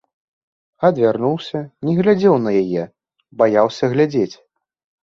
Адвярнуўся, не глядзеў на яе, баяўся глядзець.